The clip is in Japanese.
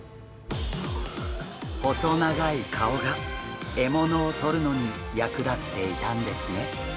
細長い顔が獲物をとるのに役立っていたんですね。